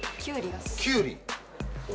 キュウリ？